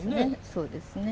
そうですね。